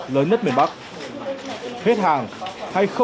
bốn trăm năm mươi là giá